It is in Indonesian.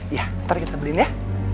iya mari kita beliin ya